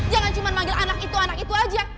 jangan cuma manggil anak itu anak itu aja